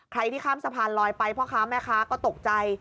ที่ข้ามสะพานลอยไปพ่อค้าแม่ค้าก็ตกใจ